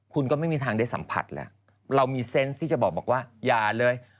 คุณก็ไม่มีทางได้สัมผัสแล้วเรามีเซนต์ที่จะบอกว่าอย่าเลย